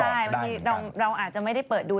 ใช่บางทีเราอาจจะไม่ได้เปิดดู